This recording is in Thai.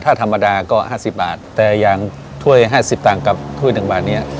ถ้าธรรมดาก็๕๐บาทแต่อย่างถ้วย๕๐ตังค์กับถ้วย๑บาทเนี่ย